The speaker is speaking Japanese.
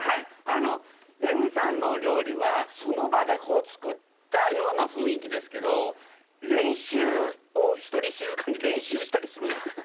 あのレミさんのお料理はその場で作ったような雰囲気ですけど練習を一人静かに練習したりするんですか？